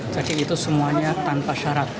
jadi itu semuanya tanpa syarat